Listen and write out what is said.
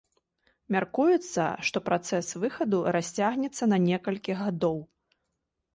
Мяркуецца, што працэс выхаду расцягнецца на некалькі гадоў.